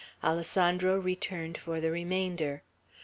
Alessandro returned for the remainder.